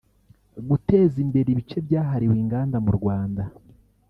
guteza imbere ibice byahariwe inganda mu Rwanda